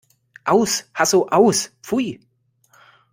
Aus! Hasso Aus! Pfui!